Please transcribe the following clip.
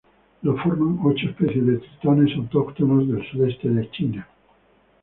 Lo forman ocho especies de tritones autóctonos del sudeste de China.